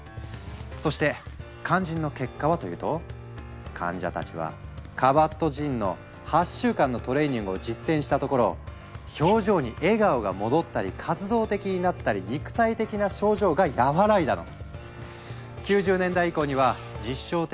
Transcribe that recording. そして肝心の結果はというと患者たちはカバットジンの８週間のトレーニングを実践したところ表情に笑顔が戻ったり活動的になったり肉体的な症状が和らいだの！